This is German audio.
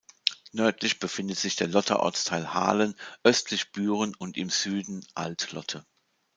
Nördlich befindet sich der Lotter Ortsteil Halen, östlich Büren und im Süden Alt-Lotte.